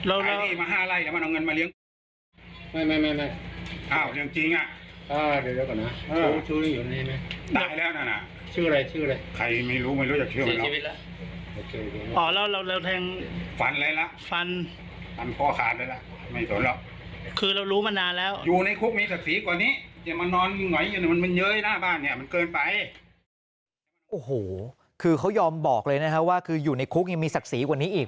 โอ้โหคือเขายอมบอกเลยนะครับว่าคืออยู่ในคุกยังมีศักดิ์ศรีกว่านี้อีก